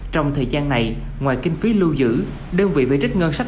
trong thời gian này ngoài kinh phí lưu giữ đơn vị phải trích ngân sách